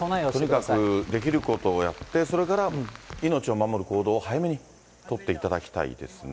とにかくできることをやって、それから命を守る行動を早めに取っていただきたいですね。